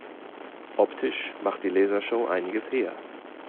Optisch macht die Lasershow einiges her.